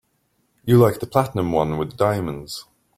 You liked the platinum one with the diamonds.